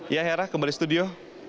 ya hera kembali studio